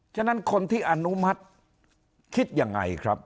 ฉะนั้นคนที่อนุมัติคิดยังไงครับ